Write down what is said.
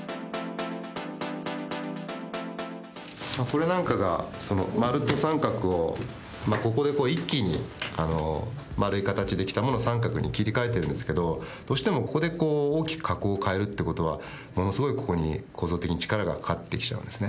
これなんかが丸と三角をここで一気に丸い形できたものを三角に切り替えてるんですけどどうしてもここで大きく加工を変えるという事はものすごいここに構造的に力がかかってきちゃうんですね。